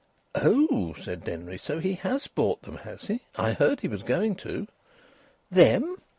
"Oh!" said Denry. "So he has bought them, has he? I heard he was going to." "Them?"